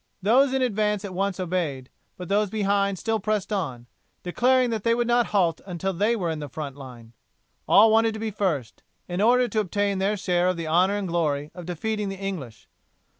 Those in advance at once obeyed, but those behind still pressed on, declaring that they would not halt until they were in the front line. All wanted to be first, in order to obtain their share of the honour and glory of defeating the English.